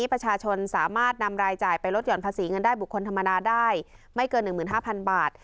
ให้ประชาชนสามารถนำรายจ่ายไปลดหย่อนภาษีเงินได้บุคคลธรรมดาได้ไม่เกินหนึ่งหมื่นห้าพันบาท